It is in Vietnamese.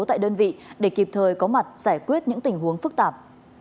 tại đơn vị để kịp thời có mặt giải quyết những tình huống phức tạp